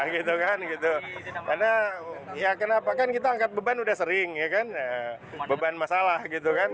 karena ya kenapa kan kita angkat beban udah sering beban masalah gitu kan